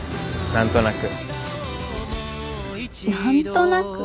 何となく？